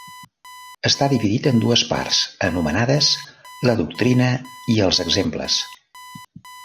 Està dividit en dues parts anomenades "La doctrina" i "Els exemples".